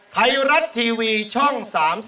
ไทยรัฐทีวีช่อง๓๒